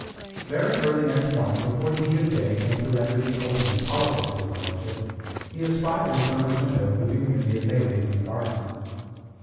Very early next morning, before the heat of the day came to render the open intolerable to his lordship, he espied her from his window moving amid the azaleas in the garden.